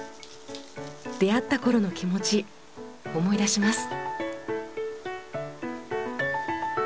出会った頃の気持ち思い出します。